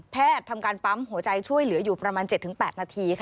ทำการปั๊มหัวใจช่วยเหลืออยู่ประมาณ๗๘นาที